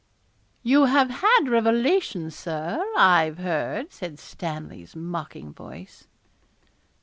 'You have had revelations, Sir, I've heard,' said Stanley's mocking voice.